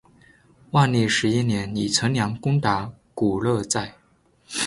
万历十一年李成梁攻打古勒寨。